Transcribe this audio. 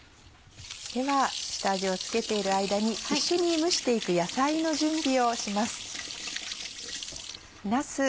では下味を付けている間に一緒に蒸していく野菜の準備をします。